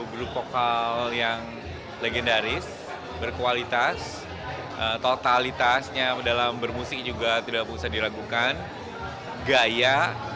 grup vokal yang legendaris berkualitas totalitasnya dalam bermusik juga tidak bisa diragukan gaya